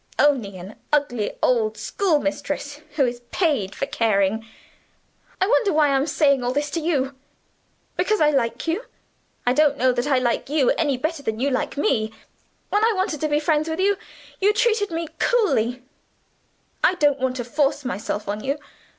Only an ugly old schoolmistress, who is paid for caring. I wonder why I am saying all this? Because I like you? I don't know that I like you any better than you like me. When I wanted to be friends with you, you treated me coolly; I don't want to force myself on you.